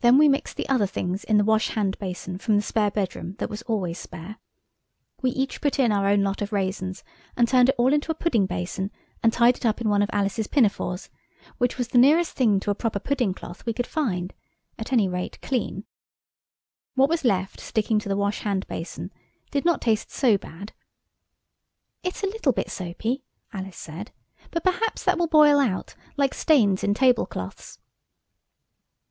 Then we mixed the other things in the wash hand basin from the spare bedroom that was always spare. We each put in our own lot of raisins and turned it all into a pudding basin, and tied it up in one of Alice's pinafores, which was the nearest thing to a proper pudding cloth we could find–at any rate clean. What was left sticking to the wash hand basin did not taste so bad. "It's a little bit soapy," Alice said, "but perhaps that will boil out; like stains in table cloths."